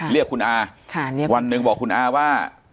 เรียกคุณอาวันหนึ่งบอกคุณอาว่า